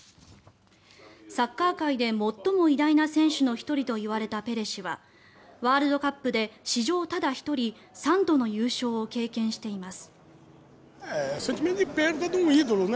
サッカー界で最も偉大な選手の１人といわれたペレ氏はワールドカップで史上ただ１人３度の優勝を経験しています。